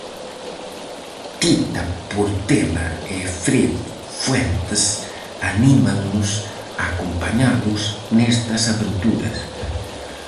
Tita Portela e Fred Fuentes anímannos a acompañalos nestas aventuras.